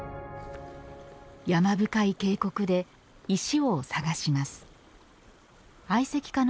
山深い渓谷で、石を探します。